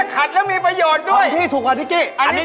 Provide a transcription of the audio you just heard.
อย่างนี้เหมือนจะเป็นที่